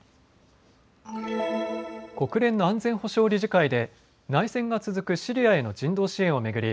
国連の安全保障理事会で内戦が続くシリアへの人道支援を巡り